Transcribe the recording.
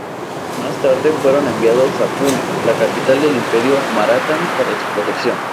Más tarde, fueron enviados a Pune, la capital del Imperio Maratha, para su protección.